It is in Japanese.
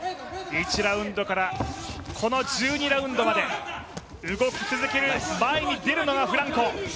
１ラウンドからこの１２ラウンドまで動き続ける前に出るのがフランコ。